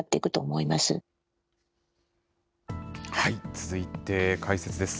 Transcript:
続いて解説です。